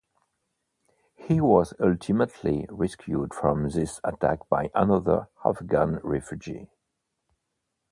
He was ultimately rescued from this attack by another Afghan refugee.